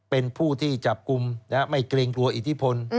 เป็นผู้ที่จับกลุ่มไม่เกรงกลัวอิทธิพล